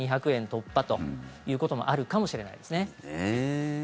突破ということもあるかもしれないですね。